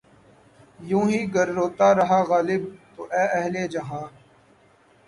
یوں ہی گر روتا رہا غالب! تو اے اہلِ جہاں